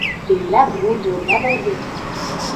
Les Labrouhe de Laborderie.